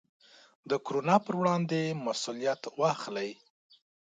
د کورونا پر وړاندې مسوولیت واخلئ.